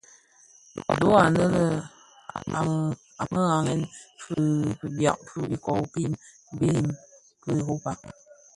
Dho anë a më ghalèn, fidyab fi ikōō, kiň biriň ki Europa.